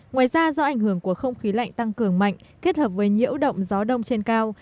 ngoài ra do ảnh hưởng của không khí lạnh tăng cường mạnh kết hợp với nhiễu động gió đông trên cao